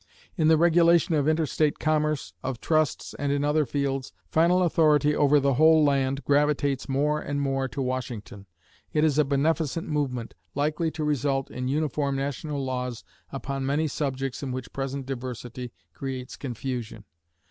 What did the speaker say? In the regulation of interstate commerce, of trusts, and in other fields, final authority over the whole land gravitates more and more to Washington. It is a beneficent movement, likely to result in uniform national laws upon many subjects in which present diversity creates confusion.